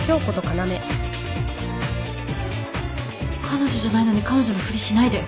彼女じゃないのに彼女のふりしないで。